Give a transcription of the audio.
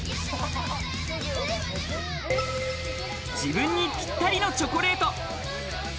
自分にぴったりのチョコレート。